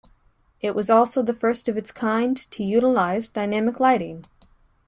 It was also the first of its kind to utilize dynamic lighting.